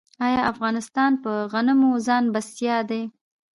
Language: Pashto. آیا افغانستان په غنمو ځان بسیا دی؟